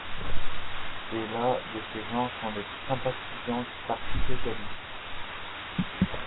Et la de ces gens sont des sympathisants du parti socialiste